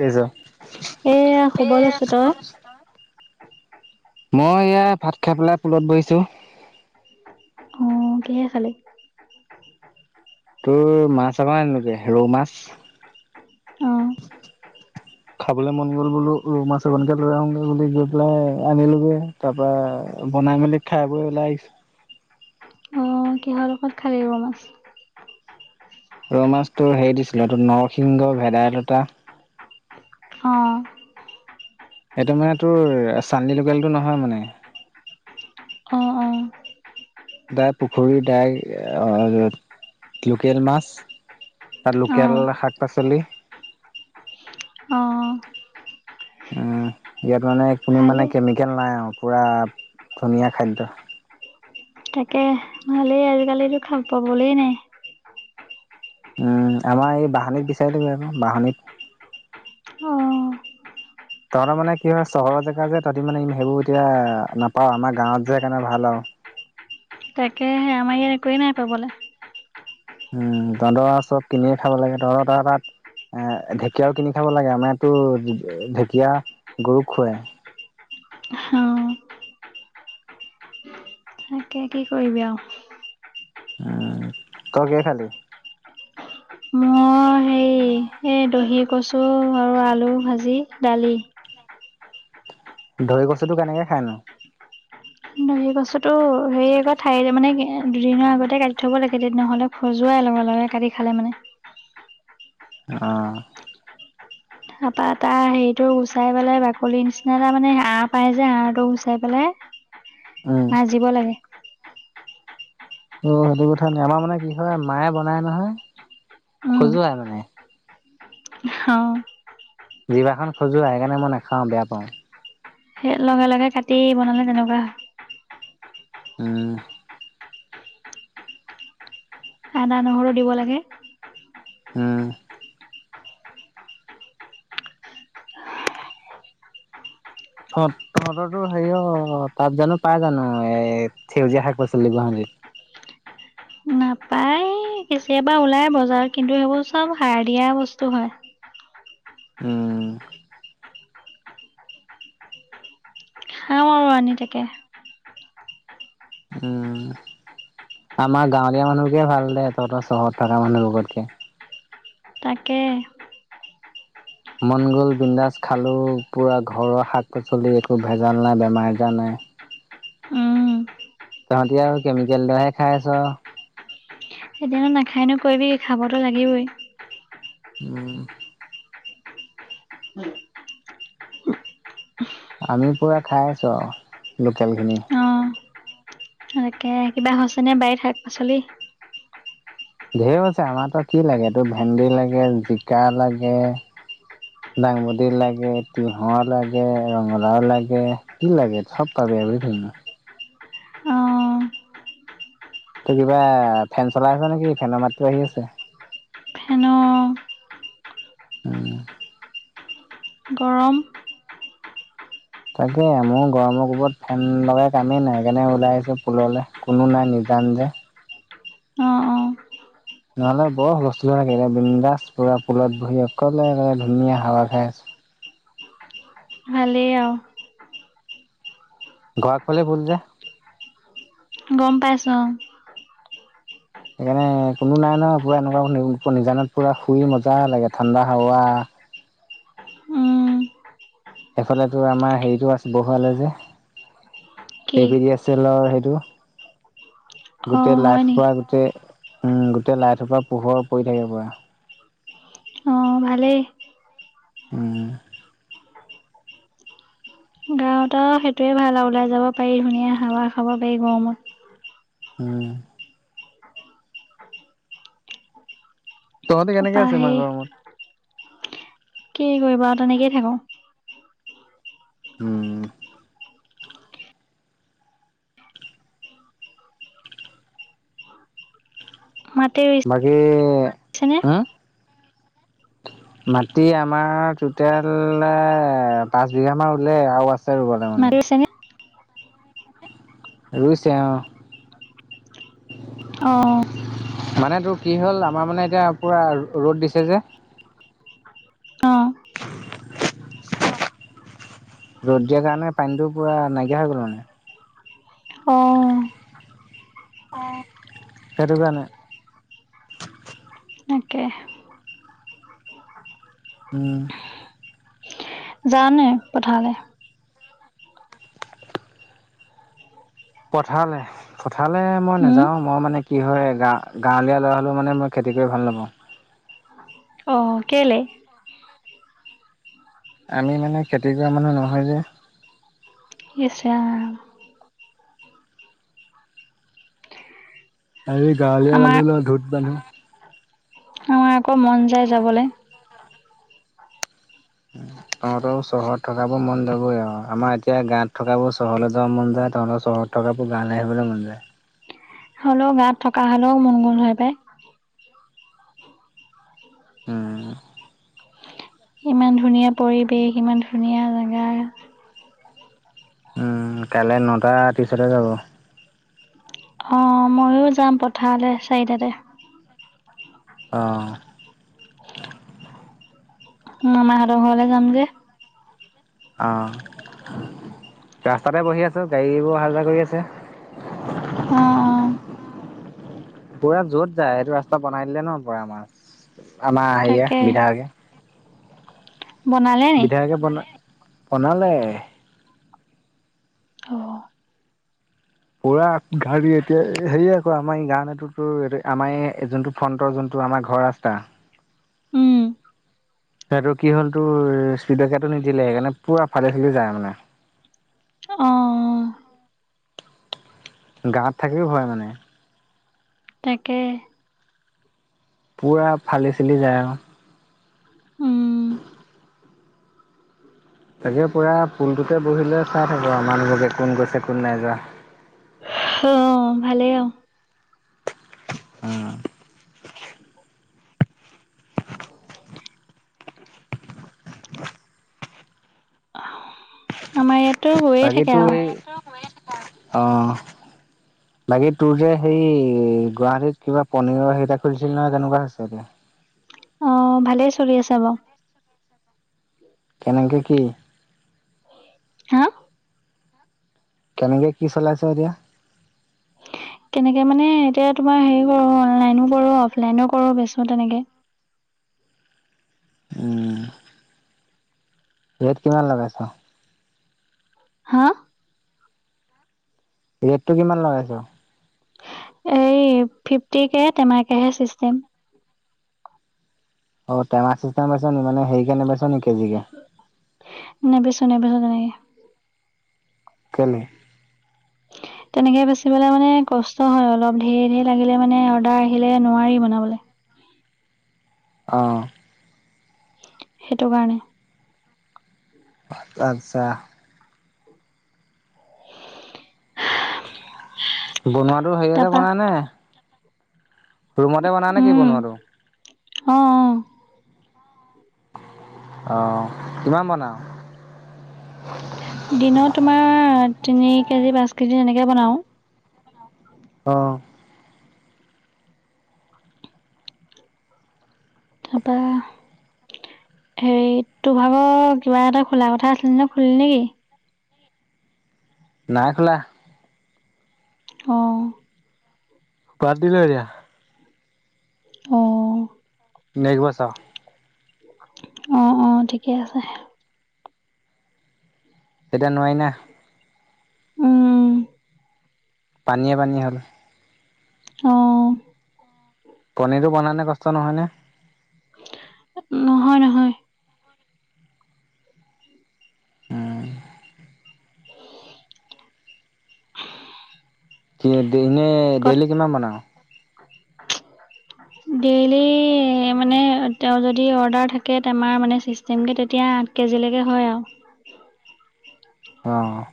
কি কৰিছ? এয়া শুবলৈছো তই মই এ ভাত খাই পেলাই পুলত বহিছো অ কিহে খালি তোৰ মাছ আকৌ এনেকে ৰৌ মাছ অ খাবলৈ মন গ'ল বোলো ৰৌ মাছ অকণকে লৈ আহোগৈ বুলি গৈ পেলাই আনিলোগে তাপা বনাই মেলি খাই বৈ ওলাই আহিছো অ কিহৰ লগত খালে ৰৌ মাছ ৰৌ মাছটোৰ হেৰি দিছিলোঁটো নৰসিংহ ভেদাইলতা অ এইটো মানে তোৰ চান্লী লোকেল টো নহয় মানে অ অ দাই পুখুৰী দাই লোকেল মাছ তাৰ অ লোকেল শাক পাচলি অঁ উম ইয়াত মানে কোনো মানে ভালেই কেমিকেল নাই আৰু পুৰা ধুনীয়া খাদ্য তাকে ভালেই আজিকালিটো খাব পাবলে নাই উম আমাৰ এই বাহনিত বিচাৰিলে আকৌ বাহনীত অ তহঁত মানে কি হয় চহৰৰ জেগা যে তহঁতি মানে সেইবোৰ এতিয়া নাপাওঁ আমাৰ গাঁৱত যে সেকাণে ভাল আৱ তাকেহে আমাৰ ইয়াত একোৱেই নাই পাবলে উম তহতঁৰ চপ কিনিয়ে খাব লাগে তহতঁৰ তা তাত এ ঢেকীয়াও কিনি খাব লাগে আমাৰতো ঢেকীয়া গৰুক খুৱাই অ তাকে কি কৰিবি আও অ, ক কিহে খালি? মই হেৰি এই দহি কচু আৰু আলু ভাজি, দালি দহি কচুটো কেনেকে খাই নো? দহি কচুটো হেৰি আক ঠাই এৰিলে মানে দুদিনৰ আগতে কাটি থ'ব লাগে দেই নহ'লে খজোৱাই লগে লগে কাটি খালে মানে। অঁ। তাপা তাৰ হেৰিটো গুচাই পেলাই বাকলিৰ নিচিনা তাৰ মানে আৰ পাই যে আৰটো গুচাই পেলাই উম। ভাজিব লাগে। অ সেইটো কথা নি আমাৰ মানে কি হয় মায়ে বনাই নহয়, খজুৱাই মানে। অহ। জিভাখন খজোৱাই সেইকাৰণে মই নাখাওঁ, বেয়া পাওঁ। সেই লগে লগে কাটি বনালে তেনেকুৱা হয় উম। আদা, নহৰু দিব লাগে। উম। তহঁত তহঁতৰ তো হেৰি অ তাত জানো পাই জানো এ সেউজীয়া শাক-পাচলি গুৱাহাটীত? নাপায়। কেতিয়াবা ওলাই বজাৰত কিন্তু সেইবোৰ চব সাৰ দিয়া বস্তু হয়। উম। অ আনি তাকে। উম আমাৰ গাঁৱলীয়া মানুহকে ভাল দে, তহঁতৰ চহৰত থকা মানুহ বোৰতকে। তাকে। মন গ'ল বিন্দাজ খালোঁ, পূৰা ঘৰৰ শাক- পাচলি একো ভেজাল নাই, বেমাৰ- আজাৰ নাই। উম, তহঁতি আও কেমিকেলদিয়াহে খাই আছ। এতিয়ানো নাখায়নো কৰিবি কি খাবতো লাগিবই। উম। আমি পুৰা খাই আছো আৰু লোকেলখিনি। এনেকে কিবা হৈছেনে বাৰীত শাক-পাচলি? ঢেৰ হৈছে আমাৰতো কি লাগে এইটো ভেন্দি লাগে, জিকা লাগে, দাংবদী লাগে, তিয়হ লাগে, ৰঙলাও লাগে কি লাগে চব পাবি এভ্ৰিথিং অ', তই কিবা ফেন চলাই আছ নেকি ফেনৰ মাতটো আহি আছে? ফেন অ। উম গৰম। তাকে মোৰ গৰমৰ কোবত ফেন লগাই কামেই নাই সেইকাৰণে ওলাই আহিছোঁ পুললে কোনো নাই নিজান যে। অ অ। নহ'লে বৰ হুলষ্টোল হৈ থাকে এতিয়া বিন্দাছ পুৰা পুলত বহি অকলে অকলে ধুনীয়া হাৱা খাই আছো। ভালেই আও। ঘ আগফালে ভোল যে গম পাইছোঁ অ'। সেইকাৰণে কোনো নাই ন' পুৰা এনেকুৱা [unintelligible] নিজানত পুৰা শুই মজা লাগে ঠাণ্ডা হাৱা। উম। এফালেতো আমাৰ হেৰিটো আছে বহুৱালে যে, এ কি পি ডি এছ এলৰ সেইটো অ গোটেই লাইট হয় নি সোপা গোটেই, উম গোটেই লাইট সোপাৰ পোহৰ পৰি থাকে পুৰা। অ' ভালেই। উম। গাঁৱত আও সেইটোৱে ভাল আও ওলাই যাব পাৰি, ধুনীয়া হাৱা খাব পাৰি গৰমত। উম। তহঁতি কেনেকে তাৰপা আছ সেই ইমান গৰমত? কি কৰিবা আও তেনেকেই থাকো। উম। মাটি বাকী, ৰুইছেনে হুম মাটি আমাৰ টোটেল এ পাঁচ বিঘামান ৰুলে, আৰু আছ ছে ৰুবলে মানে। মাটি ৰুইছেনে ৰুইছে অ'। অঁ মানে তোৰ কি হ'ল আমাৰ মানে এতিয়া পুৰা ৰ' ৰ'দ দিছে যে, অ [inaudible] ৰ'দ দিয়া কাৰণে পানীটো পুৰা নাইকিয়া হৈ গ'ল মানে। অ' সেইটোকাৰণে। তাকে। উম। যাৱনে পথাৰলে? পথাৰলে পথাৰলে মই উম নাযাও, মই মানে কি হয় গা গাঁৱলীয়া ল'ৰা হলেও মানে মই খেতি কৰি ভাল নাপাওঁ। অ' কেলে? আমি মানে খেতি কৰা মানুহ নহয় যে। ইছ ৰাম। আমি গাঁৱলীয়া আমাৰ মানুহ [unintelligible] ধোদ মানুহ। আমাৰ আকৌ মন যায় যাবলে। [inaudible] তহঁতৰ চহৰত থকাবোৰ মন যাবই আউ, আমাৰ এতিয়া গাঁৱত থকাবোৰ চহৰলৈ যাব মন যায়, তহঁতৰ চহৰত থকাবোৰ গাঁৱলে আহিবলে মন যায়। হ'লেও গাঁৱত থকা হ'লেও মন গ'ল হয় পায়। উম। ইমান ধুনীয়া পৰিৱেশ, ইমান ধুনীয়া জাগা। উম কাইলে নটা ত্ৰিশতে যাব। অ' ময়ো যাম পথাৰলে চাৰিটাতে। অ' মামাহঁতৰ ঘৰলে যাম যে? অ' ৰাস্তাতে বহি আছোঁ, গাড়ীবোৰ অহা যোৱা কৰি আছে। অ' অ'। পুৰা য'ত যায় সেইটো ৰাস্তা বনাই দিলে ন' পোৰা আমাৰ। আমাৰ তাকে হেৰিয়া বিধায়কে। বনালে নি বিধায়কে বনা বনালে। অ'। পোৰা গাড়ী এতিয়া হেৰি আকৌ আমাৰ গানটোৰতো আমাৰ এ' যোনটো ফ্ৰণ্টৰ যোনটো আমাৰ ঘৰৰ ৰাস্তা উম। সেইটো কি হ'ল তোৰ স্পিড ব্ৰেকাৰটো নিদিলে সেইকাৰণে পুৰা ফালি চালি যায় মানে। অ'। গাওঁত থাকিও হয় মানে। তাকে। পোৰা ফালি চালি যায় আৰু। উম। [inaudible] তাকে পোৰা পুলটোতে বহি লৈ চাই থাকোঁ আৰু মানুহবোৰকে কোন গৈছে কোন নাই যোৱা। অ' ভালেই আও। অ'। [inaudible] অ' আমাৰ ইয়াত বাকী তোৰ এই অ' বাকী তোৰ যে সেই গুৱাহাটীত কিবা পনীৰৰ সেইটা খুলিছিল নহয়, কেনেকুৱা হৈছে এতিয়া? অ' ভালেই চলি আছে বাৰু। কেনেকে কি হা কেনেকে কি চলাইছে এতিয়া। কেনেকে মানে এতিয়া তোমাৰ হেৰি কৰোঁ অনলাইনো কৰোঁ অফলাইনো কৰোঁ বেচো তেনেকে। উম। ৰেট কিমান লগাইছ? হা ৰেটটো কিমান লগাইছ? এই ফিফটিকে টেমাকেহে ছিষ্টেম। অ' টেমা চিষ্টেম বেছ নেকি, মানে হেৰিকে নেবিচ নেকি কেজি কে? নেবেছো নেবেছো তেনেকে। কেলেই? তেনেকে বেচিবলৈ মানে কষ্ট হয় অলপ ঢেৰ ঢেৰ লাগিলে মানে অৰ্ডাৰ আহিলে নোৱাৰি বনাবলৈ। অ'। সেইটো কাৰণে। আচ্ছা। [inaudible] হা। বনোৱাটো হেৰি অতে বনাই নে ৰুমতে বনাই নে কি উম বনোৱাতো? অ অ অ' কিমান বনাও? দিনৰ তোমাৰ তিনি কেজি পাঁচ কেজি এনেকে বনাও। অ'। তাপা- হেৰি তোৰ ভাগৰ কিবা এটা খোলা কথা আছিল ন খুলিলি না নেকি? নাই খোলা। অঁ! বাদ দিলো এতিয়া। অঁ- নেক্স বছৰ। অঁ অঁ ঠিকে আছে। এতিয়া নোৱিৰি না। উমঁ! পানীয়ে পানীয়ে হ'ল। অঁ! পনীৰটো বনাওতে কস্থ নহয়নে? নহয় নহয়। উমঁ - কি এ দিনে কত ডেইলি কিমান বনাওঁ? ডেইলি মানে তেওঁ যদি অৰ্ডাৰ থাকে টেমাৰ মানে চি- তেনেকে তেতিয়া আঠ কেজিলৈকে হয়ঁ আৰ। [unintelligible] অঁ!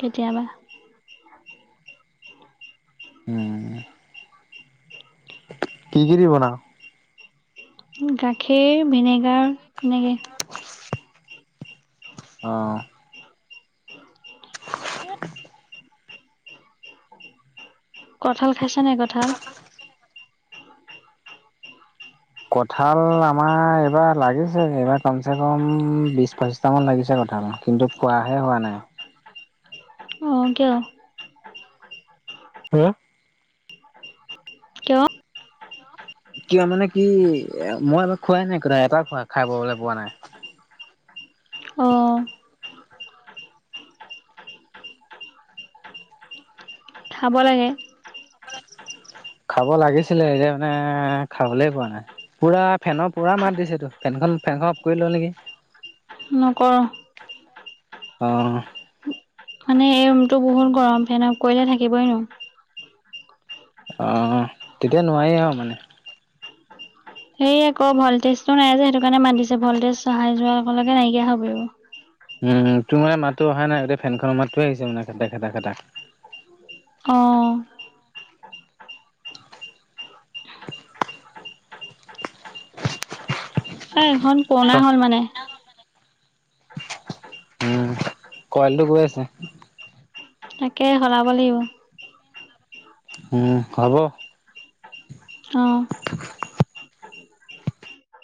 কেতিয়াবা। উমঁ উমঁ উমঁ! কি কি দি বনাও। গাখীৰ ভিনেগাৰ এনেকে। [unintelligible] অঁ! কঠাল খাইছা নাই কঠাল? কঁঠাল আমাৰ এইবাৰ লাগিছে, এইবাৰ কমচে কম বিছ - পঁচিছটামান লাগিছে কঁঠাল কিন্তু- খোৱাহে হোৱা নাই? অঁ কিয়? হুম! কিয়? কিয় মানে কি এ মই এবা খোৱাই নাই ক এটা খোৱাই খাবলৈ পোৱা নাই? অঁ খাব লাগে। খাব লাগিছিলে এতিয়া মানে খাবলে পোৱা নাই। পূৰা ফেনৰ পূৰা মাত দিছে তোৰ, ফেনখন ফেনখন অফ কৰি ল নেকি? নকৰ। অহ। মানে এই ৰুমটো বহুত গৰম, ফেন অফ কৰিলে থাকিবই নোৱাৰো। অঁ তেতিয়া নোৱাৰেই আৰু মানে। সেই আক ভলটেজটো নাই যে সেইটো কাৰণে মাত দিছে ভলটেজ চহাই যোৱাৰ লগে লগে নাইকিয়া হৈ পৰিব। উমঁ উমঁ, তোমাৰ মাতো অহা নাই গোটেই ফেনখনৰ মাতটোৱে আহিছে মানে খেটা খাটা খাটা। অঁ! [inaudible] এ এখন পুৰণা হ'ল মানে। উম, কোৱালিটো গৈ আছে। তাকে সলাব লাগিব। উম, সলাব অ'। [inaudible]